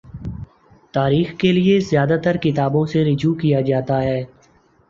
تاریخ کے لیے زیادہ ترکتابوں سے رجوع کیا جاتا ہے۔